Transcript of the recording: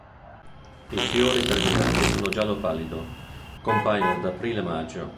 I fiori terminali sono giallo pallido, compaiono ad aprile-maggio.